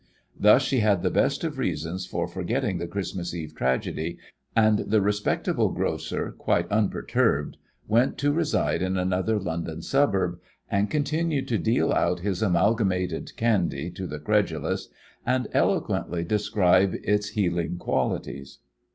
Thus she had the best of reasons for forgetting the Christmas Eve tragedy, and the respectable grocer, quite unperturbed, went to reside in another London suburb and continued to deal out his "amalgamated candy" to the credulous and eloquently describe its healing qualities.